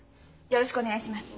よろしくお願いします。